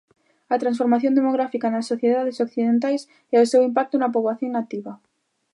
A transformación demográfica nas sociedades occidentais e o seu impacto na poboación nativa.